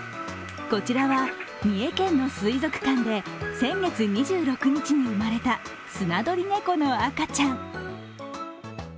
こちらは三重県の水族館で先月２６日に生まれたスナドリナコの赤ちゃん。